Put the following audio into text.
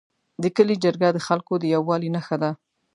د کلي جرګه د خلکو د یووالي نښه ده.